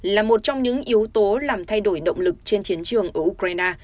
là một trong những yếu tố làm thay đổi động lực trên chiến trường ở ukraine